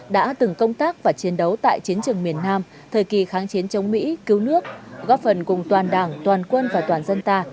đã từng công tác và chiến đấu tại chiến trường miền nam thời kỳ kháng chiến chống mỹ cứu nước góp phần cùng toàn đảng toàn quân và toàn dân ta